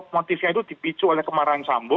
motifnya itu dipicu oleh kemarahan sambo